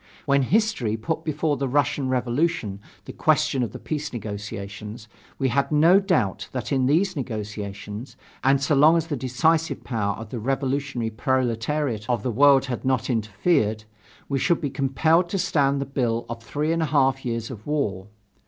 When history put before the Russian Revolution the question of the peace negotiations, we had no doubt that in these negotiations, and so long as the decisive power of the revolutionary proletariat of the world had not interfered, we should be compelled to stand the bill of three and a half years of war.